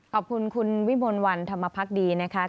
ขอบคุณคุณวิมลวันธรรมพักดีนะคะ